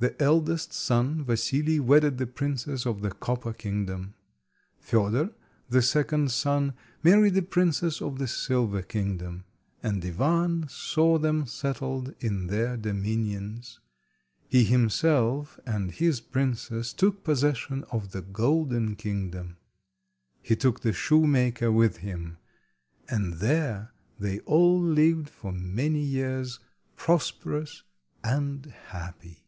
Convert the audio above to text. The eldest son, Vasili, wedded the princess of the copper kingdom. Fedor, the second son, married the princess of the silver kingdom, and Ivan saw them settled in their dominions. He himself and his princess took possession of the golden kingdom. He took the shoemaker with him, and there they all lived for many years prosperous and happy.